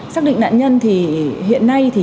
xác định nạn nhân thì hiện nay chúng ta